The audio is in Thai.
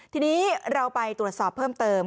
ทีนี้เราไปตรวจสอบเพิ่มเติม